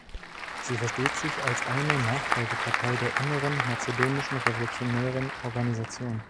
Sie versteht sich als eine Nachfolgepartei der Inneren Mazedonischen Revolutionären Organisation.